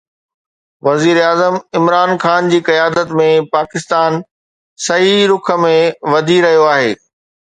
وزيراعظم عمران خان جي قيادت ۾ پاڪستان صحيح رخ ۾ وڌي رهيو آهي